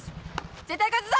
絶対勝つぞ！